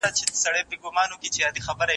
اورنګ زېب چي د مغولو ستر واکمن وو